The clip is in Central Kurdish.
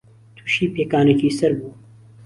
تووشی پێکانێکی سەر بوو